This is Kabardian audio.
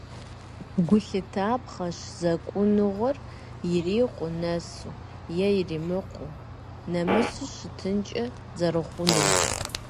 Гу лъытапхъэщ зэкӏуныгъэр ирикъуу нэсу е иримыкъуу, нэмысу щытынкӏэ зэрыхъунум.